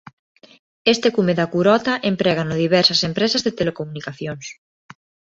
Este cume da Curota emprégano diversas empresas de telecomunicacións.